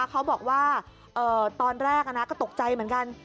เขาบอกว่าตอนแรกก็ตกใจเหมือนกัน